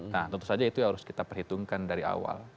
nah tentu saja itu yang harus kita perhitungkan dari awal